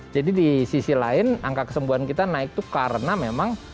jadi di sisi lain angka kesembuhan kita naik tuh karena memang